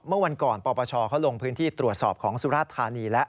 เมื่อวันก่อนปปชเขาลงพื้นที่ตรวจสอบของสุราชธานีแล้ว